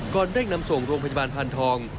ก่อนเร่งนำส่งโรงพยาบาลพันธอง